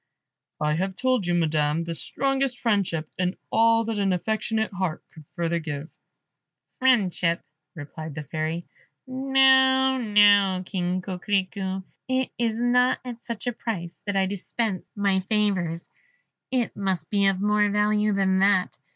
"I have told you, Madam, the strongest friendship, and all that an affectionate heart could further give " "Friendship," replied the Fairy; "no, no, King Coquerico, it is not at such a price that I dispense my favours it must be of more value than that.